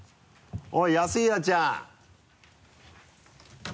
おい安平ちゃん。